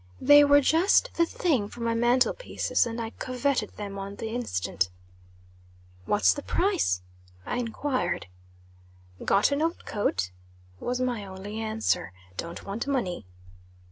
They were just the thing for my mantle pieces, and I covetted them on the instant. "What's the price?" I enquired. "Got an old coat?" was my only answer. "Don't want money."